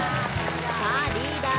さあリーダー